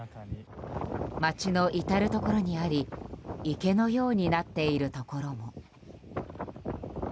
街の至るところにあり池のようになっているところも。